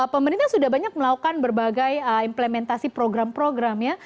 pemerintah sudah banyak melakukan berbagai implementasi program program ya